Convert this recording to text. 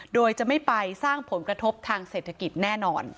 โดยจะไม่ไปสร้างผลกระทบทางเศรษฐกิจแน่นอน